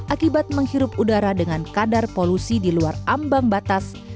akibat menghirup udara dengan kadar polusi di luar ambang batas